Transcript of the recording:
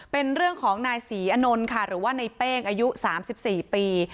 เป็นเรื่องของนายศรีอนนท์ค่ะหรือว่าในเป้งอายุ๓๔ปี